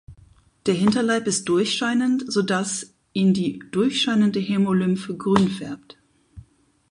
Der Hinterleib ist durchscheinend, sodass ihn die durchscheinende Hämolymphe grün färbt.